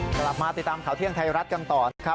กลับมาติดตามข่าวเที่ยงไทยรัฐกันต่อนะครับ